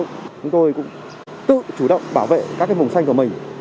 chúng tôi cũng tự chủ động bảo vệ các vùng xanh của mình